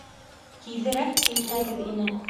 Тиҙерәк килһәгеҙ ине.